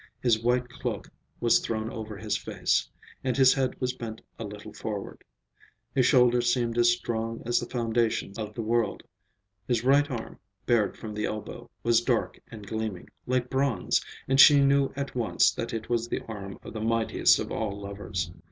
His white cloak was thrown over his face, and his head was bent a little forward. His shoulders seemed as strong as the foundations of the world. His right arm, bared from the elbow, was dark and gleaming, like bronze, and she knew at once that it was the arm of the mightiest of all lovers.